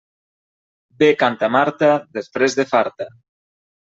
Bé canta Marta, després de farta.